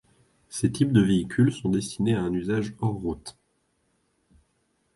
Ces types de véhicule sont destinés à un usage hors route.